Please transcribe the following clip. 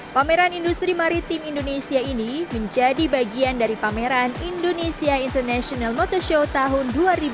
pameran industri maritim indonesia ini menjadi bagian dari pameran indonesia international motor show tahun dua ribu dua puluh